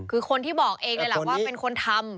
คือคนที่บอกเองเลยล่ะว่าเป็นคนทำ